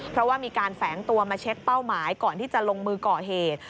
เพราะว่ามีการแฝงตัวมาเช็คเป้าหมายก่อนที่จะลงมือก่อเหตุ